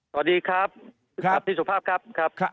สวัสดีครับดรธเนษฐ์ที่สุภาพครับ